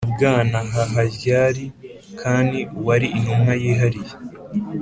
nabwana haharyar khan, wari intumwa yihariye